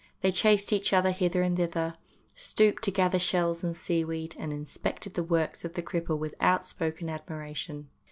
They chased each other hither and thither, stooped to gather shells and seaweed, and inspected the works of the cripple with outspoken admiration.